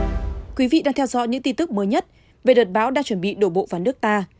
các quý vị đang theo dõi những tin tức mới nhất về đợt báo đang chuẩn bị đổ bộ vào nước ta